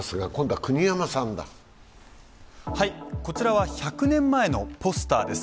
こちらは１００年前のポスターです。